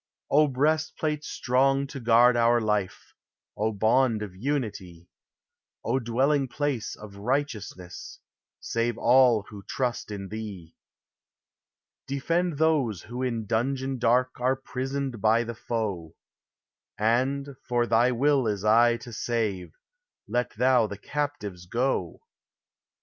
O breastplate strong to guard our life, O bond of unity, O dwelling place of righteousness, save all who trust in thee: Defend those who in dungeon dark are prisoned by the foe, And, for thy will is aye to save, let thou the captives go.